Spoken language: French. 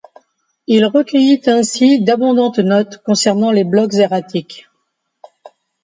Il recueillit ainsi d'abondantes notes concernant les blocs erratiques.